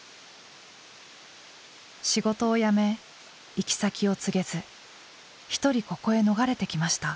仕事を辞め行き先を告げずひとりここへ逃れてきました。